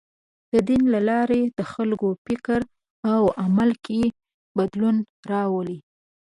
د دین له لارې د خلکو فکر او عمل کې بدلون راولي.